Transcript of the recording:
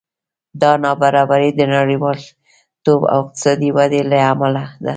دا نابرابري د نړیوالتوب او اقتصادي ودې له امله ده